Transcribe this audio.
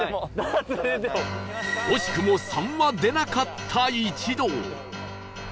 惜しくも「３」は出なかった一同